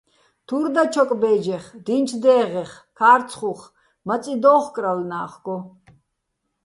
თურ დაჩოკ ბე́ჯეხ, დი́ნჩო̆ დე́ღეხ, ქა́რცხუხ, მაწი დო́უ̆ხკრალო̆ ნა́ხგო.